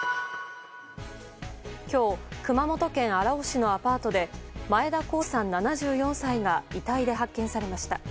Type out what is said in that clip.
今日熊本県荒尾市のアパートで前田好志さん、７４歳が遺体で発見されました。